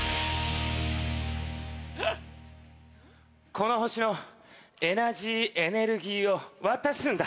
この星のエナジーエネルギーを渡すんだ。